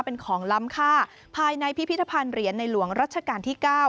เป็นของล้ำค่าภายในพิพิธภัณฑ์เหรียญในหลวงรัชกาลที่๙